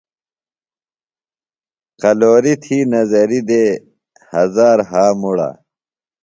قلورِیۡ تھی نظرِیۡ دے ہزار ہا مُڑہ۔